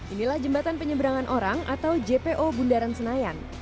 inilah jembatan penyeberangan orang atau jpo bundaran senayan